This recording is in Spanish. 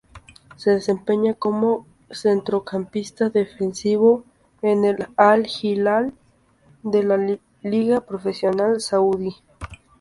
Se desempeña como centrocampista defensivo en el Al-Hilal de la Liga Profesional Saudí.